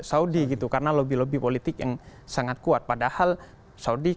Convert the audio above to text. arab spring tidak sampai ke saudi gitu karena lebih lebih politik yang sangat kuat padahal saudi